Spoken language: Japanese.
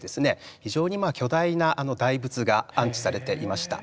非常に巨大な大仏が安置されていました。